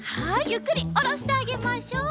ゆっくりおろしてあげましょう。